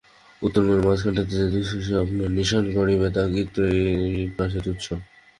উত্তরমেরুর মাঝখানটাতে যে দুঃসাহসিক আপনার নিশান গাড়িবে তার কীর্তিও এর কাছে তুচ্ছ।